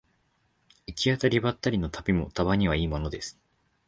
行き当たりばったりの旅もたまにはいいものです